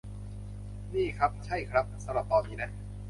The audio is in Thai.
นี่ครับ ใช่ครับ สำหรับตอนนี้นะ